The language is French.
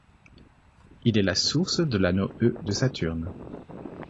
Il est la source de l'anneau E de Saturne.